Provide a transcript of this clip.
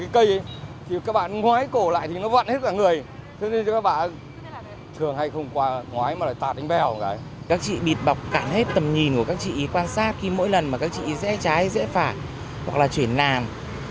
các chị bịt bọc cản hết tầm nhìn của các chị quan sát khi mỗi lần mà các chị dễ trái dễ phản hoặc là chuyển làn